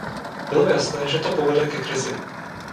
Bylo jasné, že to povede ke krizi.